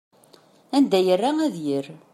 Anda yerra ad yerr.